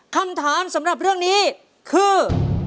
คำถามสำหรับเรื่องนี้คือ